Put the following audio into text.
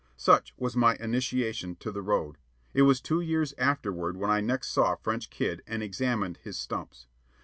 Such was my initiation to The Road. It was two years afterward when I next saw French Kid and examined his "stumps."